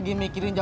ya makasih ya